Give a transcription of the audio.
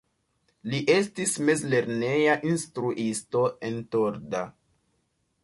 Li estis mezlerneja instruisto en Torda.